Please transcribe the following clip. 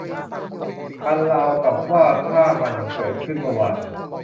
มันราวกับว่าถ้ามันเกิดขึ้นเมื่อวาน